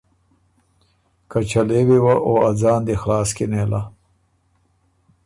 که چلېوی وه او ا ځان دی خلاص کی نېله۔